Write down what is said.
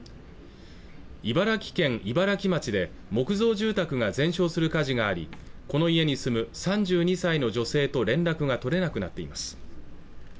茨城県茨城町で木造住宅が全焼する火事がありこの家に住む３２歳の女性と連絡が取れなくなっています